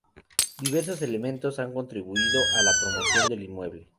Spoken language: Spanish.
Diversos elementos han contribuido a la promoción del inmueble.